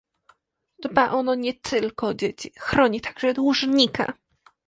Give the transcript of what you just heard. Dba ono nie tylko o dzieci, chroni także dłużnika